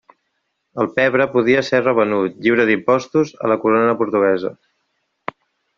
El pebre podria ser revenut, lliure d'impostos, a la Corona portuguesa.